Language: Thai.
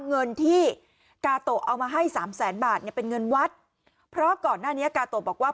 เงินที่กาโตะเอามาให้สามแสนบาทเนี่ยเป็นเงินวัดเพราะก่อนหน้านี้กาโตะบอกว่า